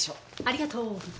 ありがとう。